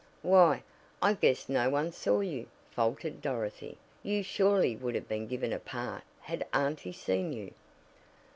"Why, I guess no one saw you," faltered Dorothy. "You surely would have been given a part had auntie seen you."